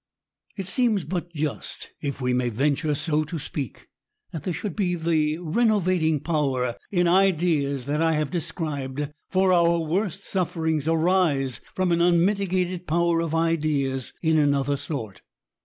It seems but just (if we may venture so to speak), that there should be the renovating power in ideas that I have described, for our worst sufferings arise from an unmitigated power of ideas in another sort.